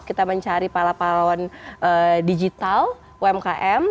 kita mencari pala pahlawan digital umkm